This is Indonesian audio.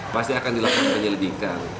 pasti akan dilakukan penyelidikan